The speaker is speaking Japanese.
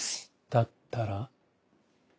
だったら。